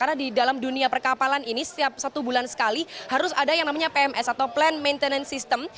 karena di dalam dunia perkapalan ini setiap satu bulan sekali harus ada yang namanya pms atau plan maintenance system